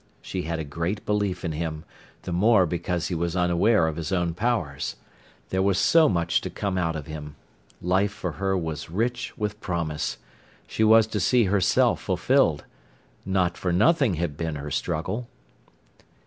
She had a great belief in him, the more because he was unaware of his own powers. There was so much to come out of him. Life for her was rich with promise. She was to see herself fulfilled. Not for nothing had been her struggle.